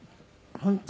「本当？」